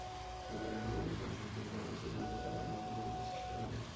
যোগীরা সমুদয় কামশক্তিকে ওজোধাতুতে পরিণত করিতে চেষ্টা করেন।